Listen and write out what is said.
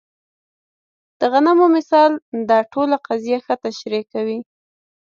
د غنمو مثال دا ټوله قضیه ښه تشریح کوي.